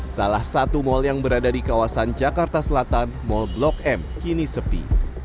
salah satu mal yang berada di kawasan jakarta selatan mall blok m kini sepi